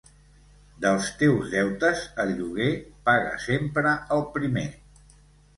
Dels teus deutes, el lloguer, paga sempre el primer.